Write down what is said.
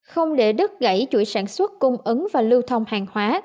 không để đứt gãy chuỗi sản xuất cung ứng và lưu thông hàng hóa